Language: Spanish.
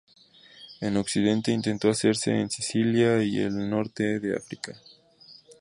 En Occidente intentó hacerse con Sicilia y el norte de África.